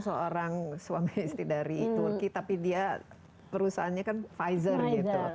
seorang suami istri dari turki tapi dia perusahaannya kan pfizer gitu